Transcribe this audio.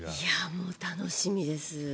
もう楽しみです。